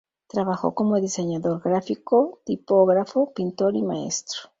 Trabajó como diseñador gráfico, tipógrafo, pintor y maestro.